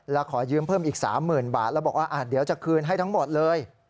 แล้วขอยืมเพิ่มอีก๓๐๐๐บาทแล้วบอกว่าเดี๋ยวจะคืนให้ทั้งหมดเลย